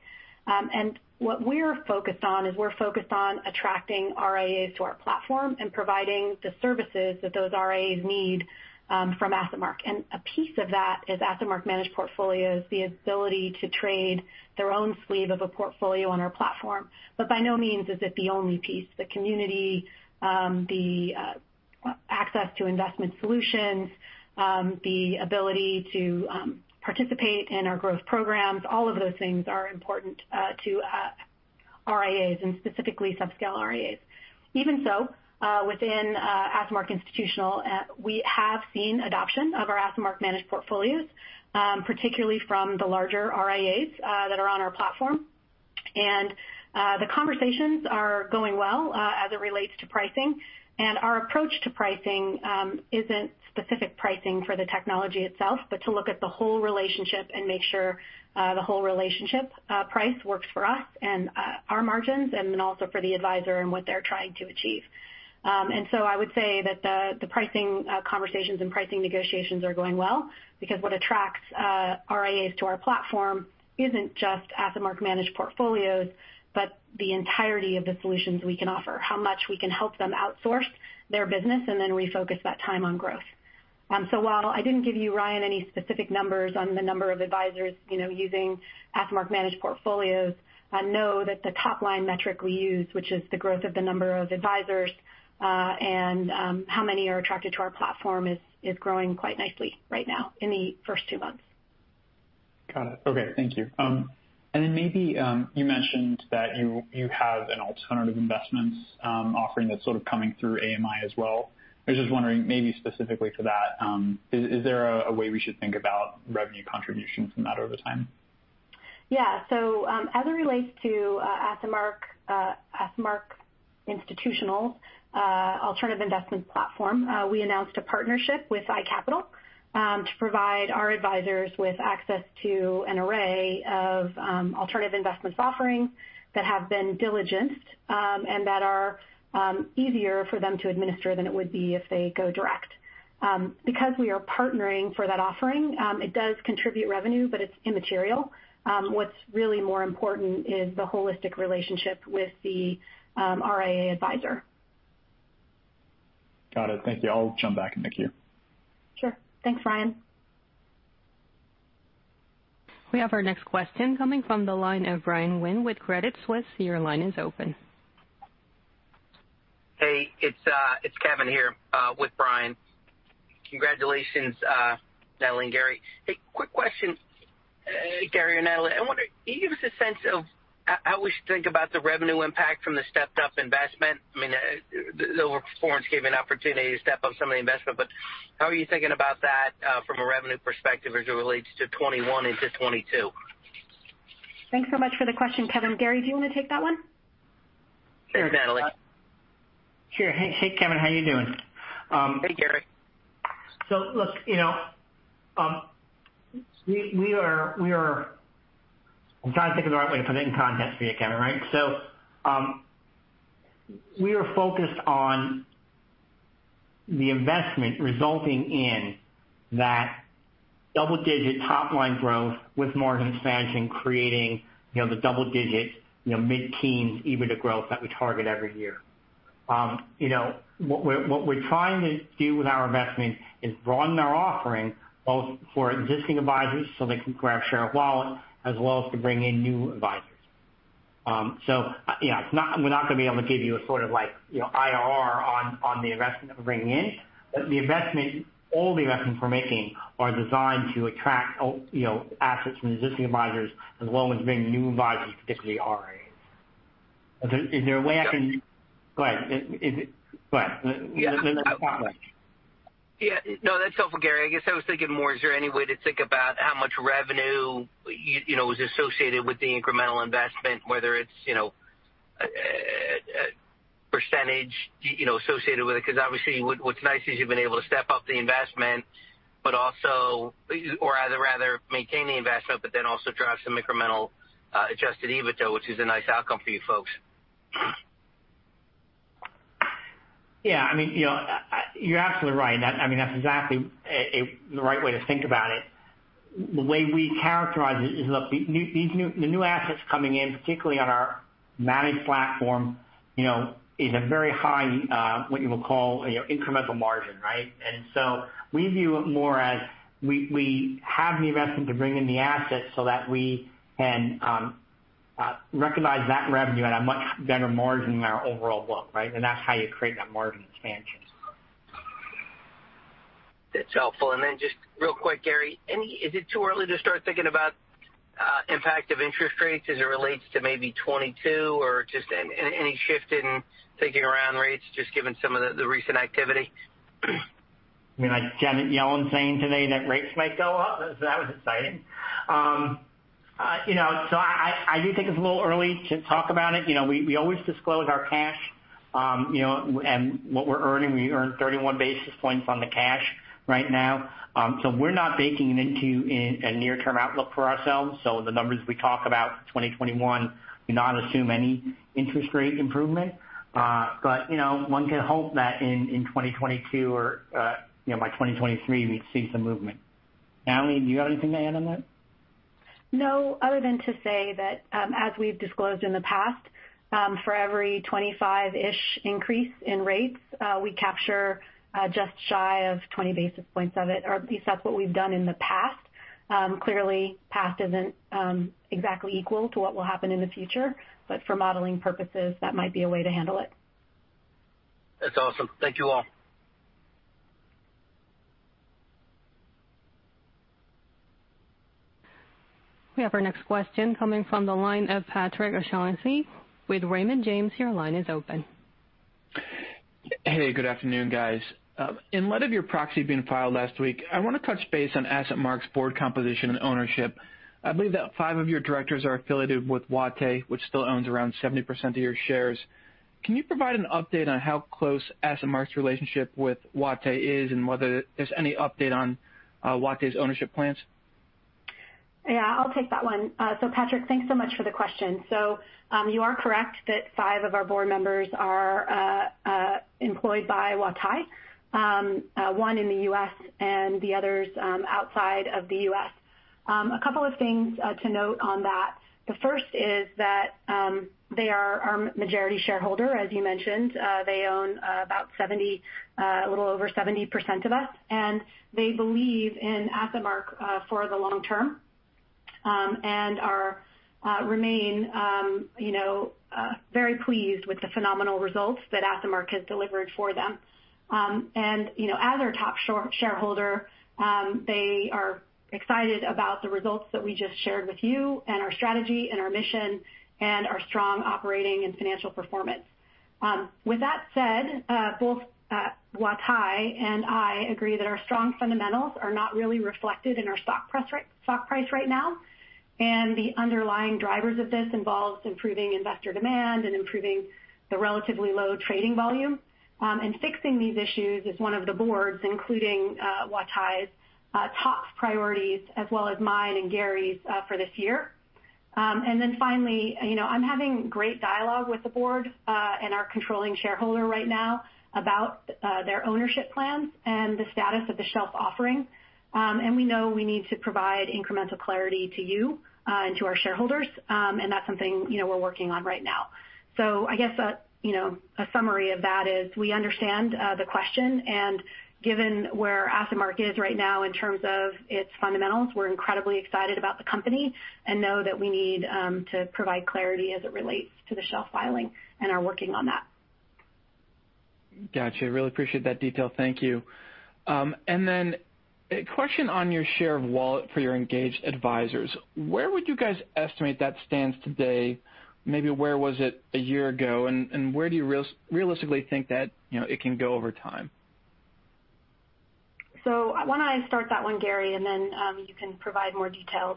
What we're focused on is we're focused on attracting RIAs to our platform and providing the services that those RIAs need from AssetMark. A piece of that is AssetMark managed portfolios, the ability to trade their own sleeve of a portfolio on our platform. By no means is it the only piece. The community, the access to investment solutions, the ability to participate in our growth programs, all of those things are important to RIAs and specifically subscale RIAs. Even so, within AssetMark Institutional, we have seen adoption of our AssetMark managed portfolios, particularly from the larger RIAs that are on our platform. The conversations are going well as it relates to pricing. Our approach to pricing isn't specific pricing for the technology itself, but to look at the whole relationship and make sure the whole relationship price works for us and our margins, and then also for the advisor and what they're trying to achieve. I would say that the pricing conversations and pricing negotiations are going well because what attracts RIAs to our platform isn't just AssetMark managed portfolios. But the entirety of the solutions we can offer, how much we can help them outsource their business and then refocus that time on growth. While I didn't give you, Ryan, any specific numbers on the number of advisors using AssetMark managed portfolios, I know that the top-line metric we use, which is the growth of the number of advisors and how many are attracted to our platform, is growing quite nicely right now in the first two months. Got it. Okay. Thank you. Maybe, you mentioned that you have an alternative investments offering that's sort of coming through AMI as well. I was just wondering maybe specifically for that, is there a way we should think about revenue contributions from that over time? As it relates to AssetMark Institutional Alternative Investments platform, we announced a partnership with iCapital to provide our advisors with access to an array of Alternative Investments offerings that have been diligenced and that are easier for them to administer than it would be if they go direct. Because we are partnering for that offering, it does contribute revenue, but it's immaterial. What's really more important is the holistic relationship with the RIA advisor. Got it. Thank you. I'll jump back in the queue. Sure. Thanks, Ryan. We have our next question coming from the line of Brian Winn with Credit Suisse. Your line is open Hey, it's Kevin here with Brian Winn. Congratulations, Natalie Wolfsen and Gary Zyla. Hey, quick question, Gary Zyla and Natalie Wolfsen, I wonder, can you give us a sense of how we should think about the revenue impact from the stepped-up investment? The lower performance gave you an opportunity to step up some of the investment, but how are you thinking about that from a revenue perspective as it relates to 2021 into 2022? Thanks so much for the question, Kevin. Gary, do you want to take that one? Sure, Natalie. Hey, Kevin. How you doing? Hey, Gary. Look, I'm trying to think of the right way to put it in context for you, Kevin, right? We are focused on the investment resulting in that double-digit top-line growth with margin expansion, creating the double-digit, mid-teens EBITDA growth that we target every year. What we're trying to do with our investment is broaden our offering both for existing advisors so they can grab share of wallet as well as to bring in new advisors. Yeah, we're not going to be able to give you an IRR on the investment that we're bringing in. All the investments we're making are designed to attract assets from existing advisors as well as bring new advisors, particularly RIAs. Yeah. Go ahead. Yeah. Yeah. No, that's helpful, Gary. I guess I was thinking more, is there any way to think about how much revenue is associated with the incremental investment, whether it's percentage associated with it? Obviously, what's nice is you've been able to step up the investment or rather maintain the investment, but then also drive some incremental adjusted EBITDA, which is a nice outcome for you folks. Yeah. You're absolutely right. That's exactly the right way to think about it. The way we characterize it is, look, the new assets coming in, particularly on our managed platform is a very high, what you would call, incremental margin, right? We view it more as we have the investment to bring in the assets so that we can recognize that revenue at a much better margin than our overall book, right? That's how you create that margin expansion. That's helpful. Just real quick, Gary, is it too early to start thinking about impact of interest rates as it relates to maybe 2022 or just any shift in thinking around rates, just given some of the recent activity? Janet Yellen saying today that rates might go up, that was exciting. I do think it's a little early to talk about it. We always disclose our cash and what we're earning. We earn 31 basis points on the cash right now. We're not baking it into a near-term outlook for ourselves. The numbers we talk about 2021 do not assume any interest rate improvement. One can hope that in 2022 or by 2023, we see some movement. Natalie, do you have anything to add on that? No, other than to say that, as we've disclosed in the past, for every 25-ish increase in rates, we capture just shy of 20 basis points of it, or at least that's what we've done in the past. Clearly, past isn't exactly equal to what will happen in the future, but for modeling purposes, that might be a way to handle it. That's awesome. Thank you all. We have our next question coming from the line of Patrick O'Shaughnessy with Raymond James. Your line is open. Hey, good afternoon, guys. In light of your proxy being filed last week, I want to touch base on AssetMark's board composition and ownership. I believe that five of your directors are affiliated with Huatai Securities, which still owns around 70% of your shares. Can you provide an update on how close AssetMark's relationship with Huatai Securities is, and whether there's any update on Huatai Securities' ownership plans? Yeah, I'll take that one. Patrick, thanks so much for the question. You are correct that five of our board members are employed by Huatai Securities, one in the U.S. and the others outside of the U.S. A couple of things to note on that. The first is that they are our majority shareholder, as you mentioned. They own a little over 70% of us, and they believe in AssetMark for the long term and remain very pleased with the phenomenal results that AssetMark has delivered for them. As our top shareholder, they are excited about the results that we just shared with you and our strategy and our mission and our strong operating and financial performance. With that said, both Natalie Wolfsen and I agree that our strong fundamentals are not really reflected in our stock price right now, the underlying drivers of this involves improving investor demand and improving the relatively low trading volume. Fixing these issues is one of the Board's, including Natalie Wolfsen's, top priorities, as well as mine and Gary's for this year. Finally, I'm having great dialogue with the Board and our controlling shareholder right now about their ownership plans and the status of the shelf offering. We know we need to provide incremental clarity to you and to our shareholders. That's something we're working on right now. I guess a summary of that is we understand the question, and given where AssetMark is right now in terms of its fundamentals, we're incredibly excited about the company and know that we need to provide clarity as it relates to the shelf filing and are working on that. Got you. Really appreciate that detail. Thank you. A question on your share of wallet for your engaged advisors. Where would you guys estimate that stands today? Maybe where was it a year ago? Where do you realistically think that it can go over time? Why don't I start that one, Gary, and then you can provide more details.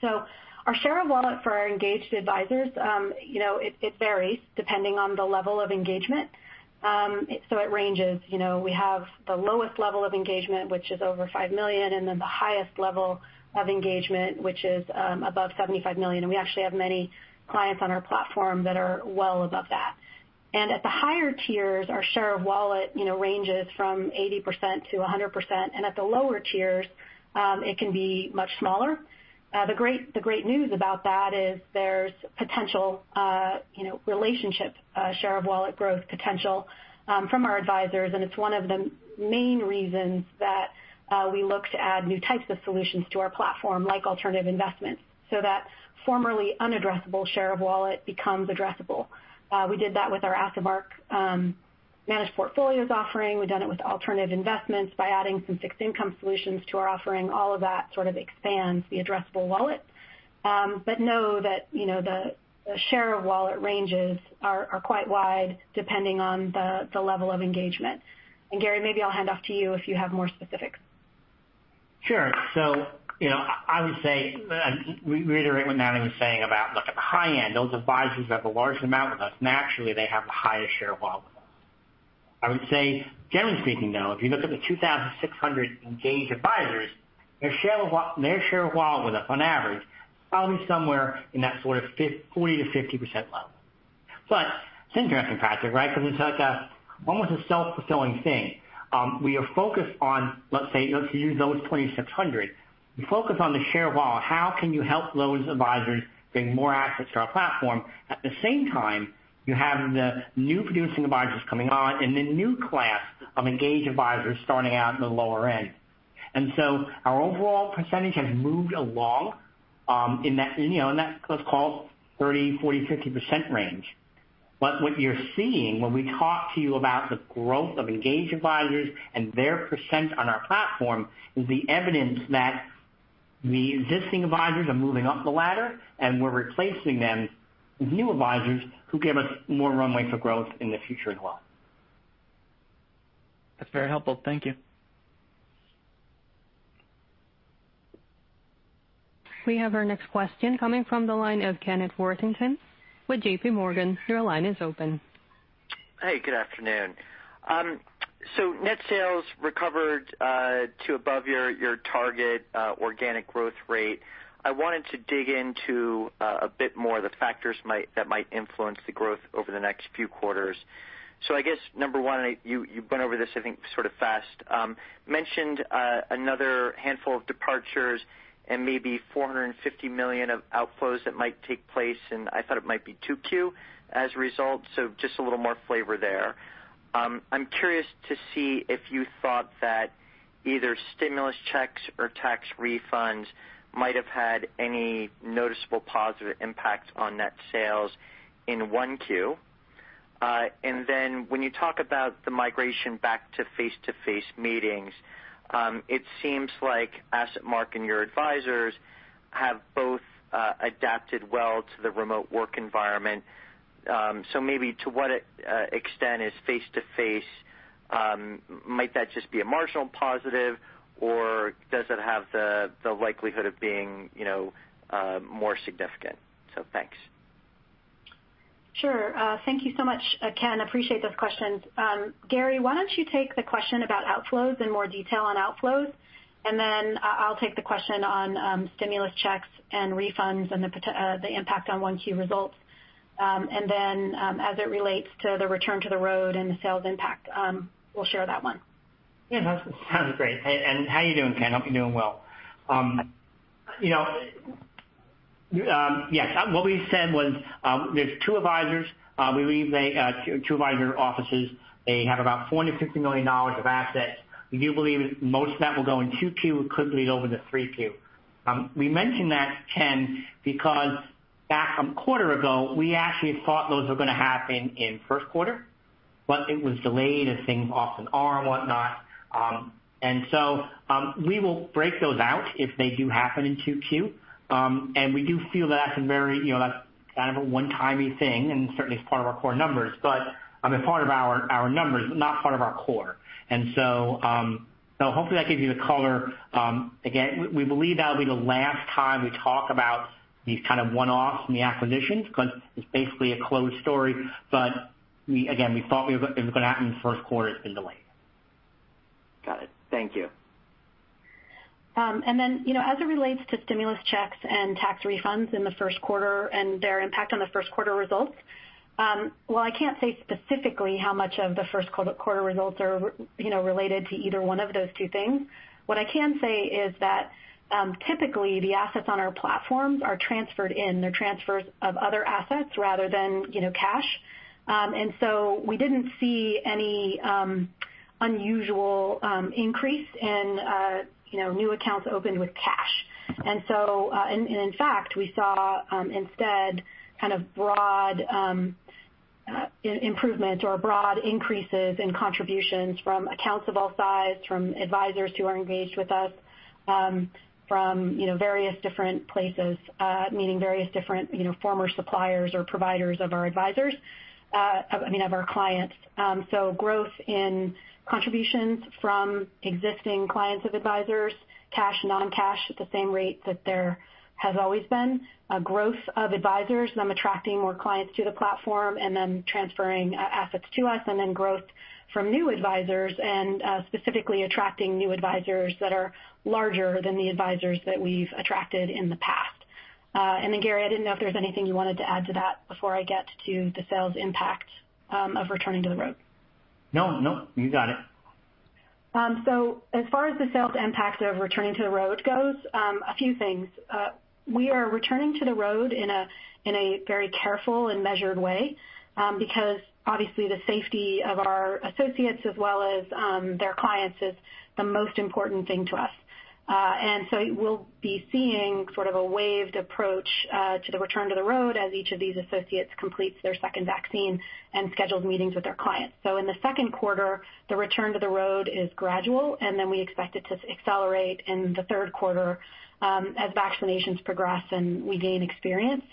Sure. Our share of wallet for our engaged advisors it varies depending on the level of engagement. It ranges. We have the lowest level of engagement, which is over $5 million, and then the highest level of engagement, which is above $75 million. We actually have many clients on our platform that are well above that. At the higher tiers, our share of wallet ranges from 80%-100%, and at the lower tiers, it can be much smaller. The great news about that is there's potential relationship share of wallet growth potential from our advisors. It's one of the main reasons that we look to add new types of solutions to our platform, like alternative investments, so that formerly unaddressable share of wallet becomes addressable. We did that with our AssetMark managed portfolios offering. We've done it with alternative investments by adding some fixed income solutions to our offering. All of that sort of expands the addressable wallet. Know that the share of wallet ranges are quite wide depending on the level of engagement. Gary, maybe I'll hand off to you if you have more specifics. Sure. I would reiterate what Natalie Wolfsen was saying about at the high end, those advisors have a large amount with us. Naturally, they have the highest share of wallet with us. I would say, generally speaking, though, if you look at the 2,600 engaged advisors, their share of wallet with us on average is probably somewhere in that sort of 40%-50% level. It's interesting, Patrick, right? Because it's almost a self-fulfilling thing. We are focused on, let's say, if you use those 2,600, you focus on the share of wallet. How can you help those advisors bring more assets to our platform? At the same time, you have the New Producing Advisors coming on and the new class of engaged advisors starting out in the lower end. Our overall percentage has moved along in that, let's call it 30%, 40%, 50% range. What you're seeing when we talk to you about the growth of engaged advisors and their percent on our platform is the evidence that the existing advisors are moving up the ladder, and we're replacing them with new advisors who give us more runway for growth in the future as well. That's very helpful. Thank you. We have our next question coming from the line of Kenneth Worthington with JPMorgan. Your line is open. Good afternoon. Net sales recovered to above your target organic growth rate. I wanted to dig into a bit more the factors that might influence the growth over the next few quarters. Number one, you've been over this fast. You mentioned another handful of departures and maybe $450 million of outflows that might take place, and I thought it might be 2Q as a result. Just a little more flavor there. I'm curious to see if you thought that either stimulus checks or tax refunds might have had any noticeable positive impact on net sales in 1Q. When you talk about the migration back to face-to-face meetings, it seems like AssetMark and your advisors have both adapted well to the remote work environment. Maybe to what extent is face-to-face, might that just be a marginal positive, or does it have the likelihood of being more significant? Thanks. Sure. Thank you so much, Ken. Appreciate those questions. Gary, why don't you take the question about outflows in more detail on outflows, and then I'll take the question on stimulus checks and refunds and the impact on 1Q results. As it relates to the return to the road and the sales impact, we'll share that one. Yeah, that sounds great. How are you doing, Kenneth Worthington? Hope you're doing well. Yes. What we said was there's two advisors. We believe they are two advisor offices. They have about $450 million of assets. We do believe most of that will go in 2Q. It could bleed over to 3Q. We mentioned that, Kenneth Worthington, because back a quarter ago, we actually thought those were going to happen in Q1, it was delayed as things often are and whatnot. We will break those out if they do happen in 2Q. We do feel that's kind of a one-timey thing and certainly is part of our core numbers. Part of our numbers, but not part of our core. Hopefully that gives you the color. Again, we believe that'll be the last time we talk about these kind of one-offs from the acquisitions because it's basically a closed story. Again, we thought it was going to happen in the Q1. It's been delayed. Got it. Thank you. As it relates to stimulus checks and tax refunds in the Q1 and their impact on the Q1 results, while I can't say specifically how much of the Q1 results are related to either one of those two things, what I can say is that typically the assets on our platforms are transferred in. They're transfers of other assets rather than cash. We didn't see any unusual increase in new accounts opened with cash. In fact, we saw, instead, broad improvement or broad increases in contributions from accounts of all sizes, from advisors who are engaged with us, from various different places, meaning various different former suppliers or providers of our clients. Growth in contributions from existing clients of advisors, cash and non-cash at the same rate that there has always been. Growth of advisors, them attracting more clients to the platform and then transferring assets to us, and then growth from new advisors and specifically attracting new advisors that are larger than the advisors that we've attracted in the past. Gary, I didn't know if there was anything you wanted to add to that before I get to the sales impact of returning to the road. No, you got it. As far as the sales impact of returning to the road goes, a few things. We are returning to the road in a very careful and measured way, because obviously the safety of our associates as well as their clients is the most important thing to us. You will be seeing sort of a waved approach to the return to the road as each of these associates completes their second vaccine and schedules meetings with their clients. In the Q2, the return to the road is gradual, and then we expect it to accelerate in the Q3, as vaccinations progress and we gain experience.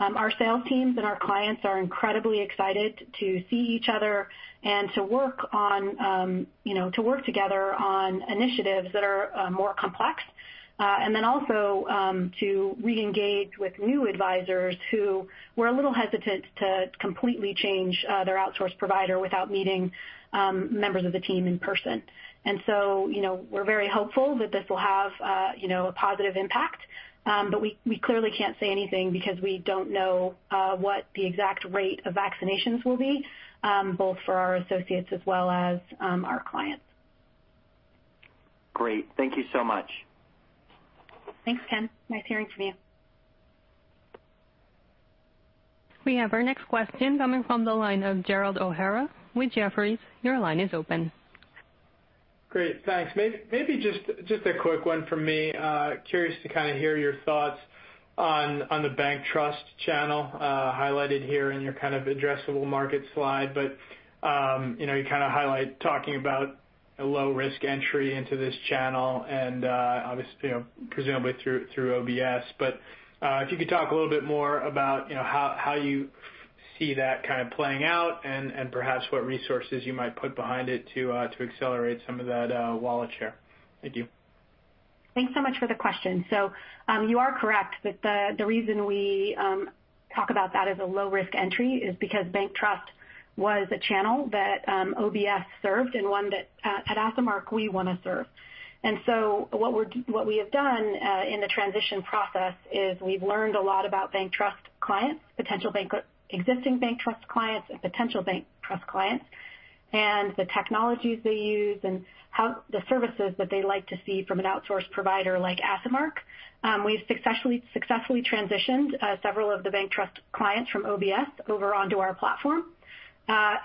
Our sales teams and our clients are incredibly excited to see each other and to work together on initiatives that are more complex. Also, to reengage with new advisors who were a little hesitant to completely change their outsource provider without meeting members of the team in person. We're very hopeful that this will have a positive impact. We clearly can't say anything because we don't know what the exact rate of vaccinations will be, both for our associates as well as our clients. Great. Thank you so much. Thanks, Kenneth. Nice hearing from you. We have our next question coming from the line of Gerald O'Hara with Jefferies. Your line is open. Great. Thanks. Maybe just a quick one from me. Curious to kind of hear your thoughts on the bank trust channel, highlighted here in your kind of addressable market slide. You kind of highlight talking about a low-risk entry into this channel and obviously, presumably through OBS. If you could talk a little bit more about how you see that kind of playing out and perhaps what resources you might put behind it to accelerate some of that wallet share. Thank you. Thanks so much for the question. You are correct that the reason we talk about that as a low-risk entry is because bank trust was a channel that OBS served, and one that at AssetMark we want to serve. What we have done in the transition process is we've learned a lot about bank trust clients, existing bank trust clients, and potential bank trust clients, and the technologies they use and the services that they like to see from an outsource provider like AssetMark. We've successfully transitioned several of the bank trust clients from OBS over onto our platform.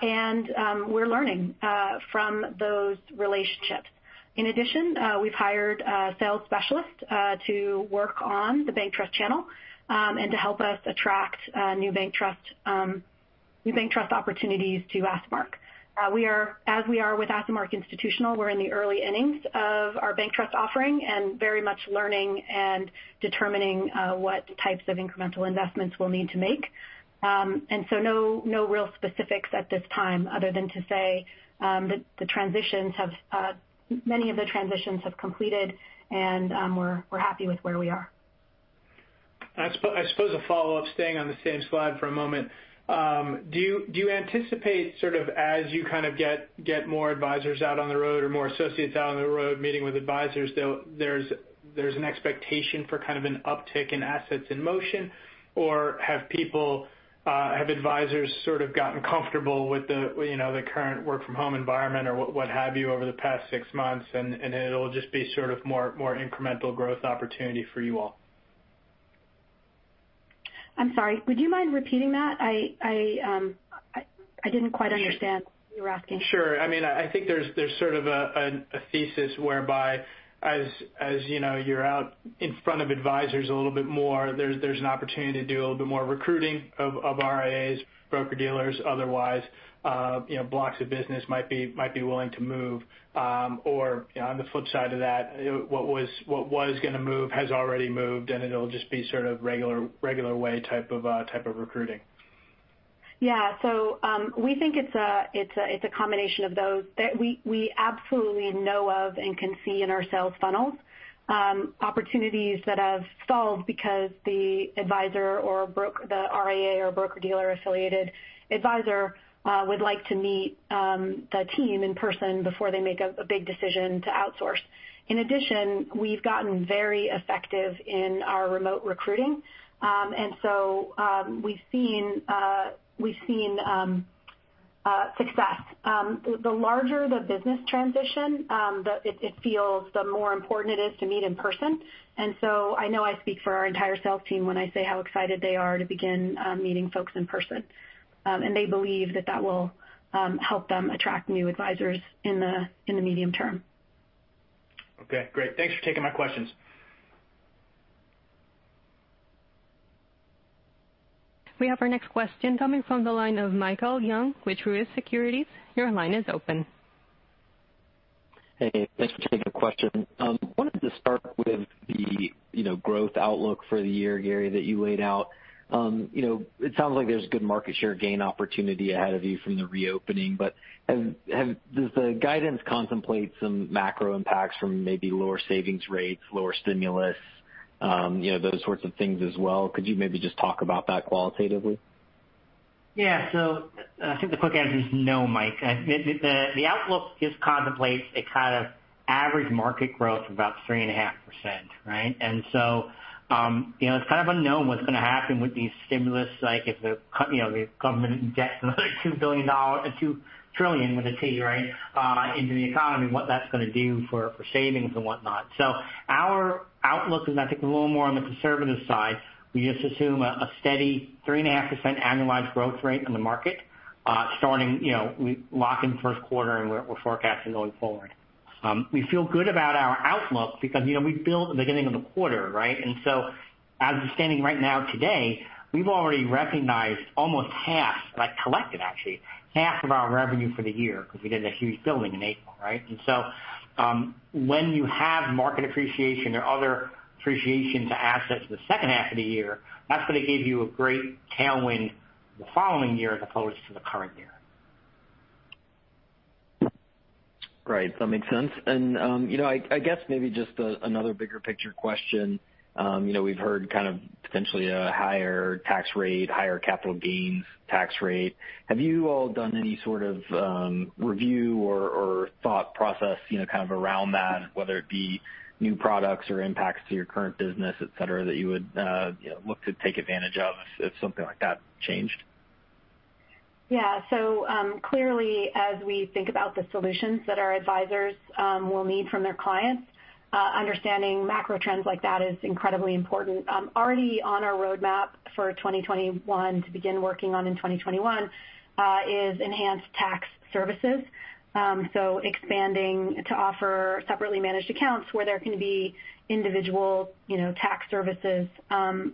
We're learning from those relationships. In addition, we've hired a sales specialist, to work on the bank trust channel, and to help us attract new bank trust opportunities to AssetMark. As we are with AssetMark Institutional, we're in the early innings of our bank trust offering and very much learning and determining what types of incremental investments we'll need to make. No real specifics at this time other than to say that many of the transitions have completed and we're happy with where we are. I suppose a follow-up, staying on the same slide for a moment. Do you anticipate sort of as you kind of get more advisors out on the road or more associates out on the road meeting with advisors, there's an expectation for kind of an uptick in assets in motion? Have advisors sort of gotten comfortable with the current work from home environment or what have you over the past six months, and it'll just be sort of more incremental growth opportunity for you all? I'm sorry, would you mind repeating that? I didn't quite understand what you were asking. Sure. I think there's sort of a thesis whereby as you're out in front of advisors a little bit more, there's an opportunity to do a little bit more recruiting of RIAs, broker-dealers otherwise, blocks of business might be willing to move. On the flip side of that, what was going to move has already moved, and it'll just be sort of regular way type of recruiting. Yeah. We think it's a combination of those that we absolutely know of and can see in our sales funnels, opportunities that have stalled because the advisor or the RIA or broker-dealer affiliated advisor would like to meet the team in person before they make a big decision to outsource. In addition, we've gotten very effective in our remote recruiting. We've seen success. The larger the business transition, it feels the more important it is to meet in person. I know I speak for our entire sales team when I say how excited they are to begin meeting folks in person. They believe that that will help them attract new advisors in the medium term. Okay, great. Thanks for taking my questions. We have our next question coming from the line of Michael Young with Truist Securities. Your line is open. Hey, thanks for taking the question. Wanted to start with the growth outlook for the year, Gary, that you laid out. It sounds like there's good market share gain opportunity ahead of you from the reopening, but does the guidance contemplate some macro impacts from maybe lower savings rates, lower stimulus, those sorts of things as well? Could you maybe just talk about that qualitatively? Yeah. I think the quick answer is no, Mike. The outlook just contemplates a kind of average market growth of about 3.5%, right? It's kind of unknown what's going to happen with these stimulus, like if the government debts another $2 trillion, with a T, right, into the economy, what that's going to do for savings and whatnot. Our outlook is, I think, a little more on the conservative side. We just assume a steady 3.5% annualized growth rate in the market, starting, we lock in the Q1 and we're forecasting going forward. We feel good about our outlook because we billed the beginning of the quarter, right? As of standing right now, today, we've already recognized almost half, like collected actually, half of our revenue for the year because we did a huge billing in April, right? When you have market appreciation or other appreciation to assets in the second half of the year, that's going to give you a great tailwind the following year as opposed to the current year. Right. I guess maybe just another bigger picture question. We've heard kind of potentially a higher tax rate, higher capital gains tax rate. Have you all done any sort of review or thought process, kind of around that, whether it be new products or impacts to your current business, et cetera, that you would look to take advantage of if something like that changed? Clearly as we think about the solutions that our advisors will need from their clients, understanding macro trends like that is incredibly important. Already on our roadmap for 2021 to begin working on in 2021, is enhanced tax services. Expanding to offer separately managed accounts where there can be individual tax services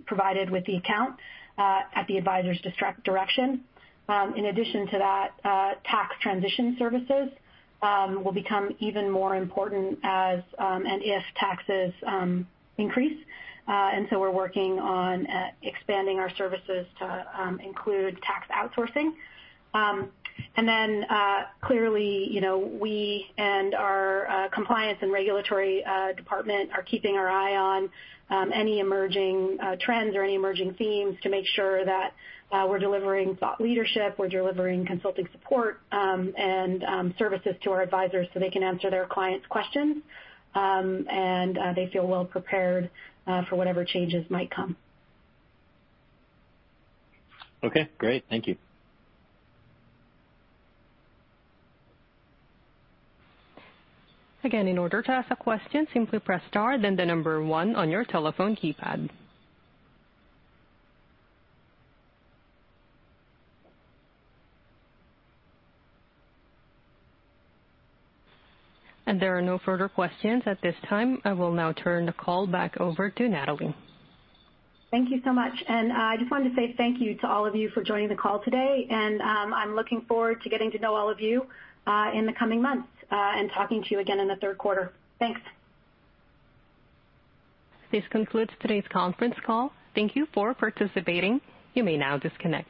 provided with the account at the advisor's direction. In addition to that, tax transition services will become even more important as, and if, taxes increase. We're working on expanding our services to include tax outsourcing. Clearly, we and our compliance and regulatory department are keeping our eye on any emerging trends or any emerging themes to make sure that we're delivering thought leadership, we're delivering consulting support, and services to our advisors so they can answer their clients' questions, and they feel well prepared for whatever changes might come. Okay, great. Thank you. There are no further questions at this time. I will now turn the call back over to Natalie. Thank you so much. I just wanted to say thank you to all of you for joining the call today. I'm looking forward to getting to know all of you in the coming months, and talking to you again in the Q3. Thanks. This concludes today's conference call. Thank you for participating. You may now disconnect.